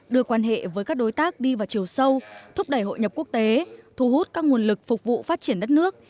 đưa quan hệ với các đối tác đi vào chiều sâu thúc đẩy hội nhập quốc tế thu hút các nguồn lực phục vụ phát triển đất nước